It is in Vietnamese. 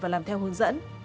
và làm theo hướng dẫn